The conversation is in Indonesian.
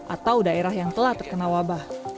atau daerah yang telah terkena wabah